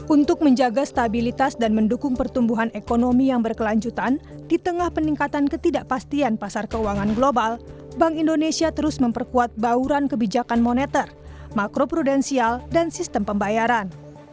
untuk menjaga stabilitas dan mendukung pertumbuhan ekonomi yang berkelanjutan di tengah peningkatan ketidakpastian pasar keuangan global bank indonesia terus memperkuat bauran kebijakan moneter makro prudensial dan sistem pembayaran